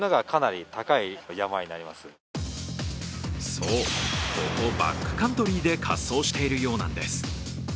そう、ここバックカントリーで滑走しているようなんです。